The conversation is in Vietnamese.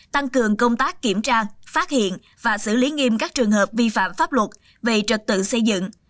tăng cường công tác kiểm tra phát hiện và xử lý nghiêm các trường hợp vi phạm pháp luật về trật tự xây dựng